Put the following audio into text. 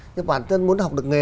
nhưng mà bản thân muốn học được nghề